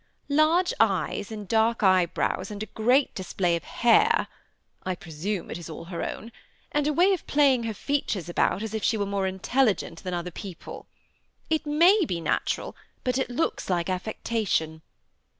Large eyes and dark eyebrows, and a great display of hair, — I presume it is all. her own, — and a way of playing her features about as if she were more intelligent than other people. It may be natural, but it looks like affectation.